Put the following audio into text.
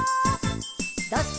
「どっち？」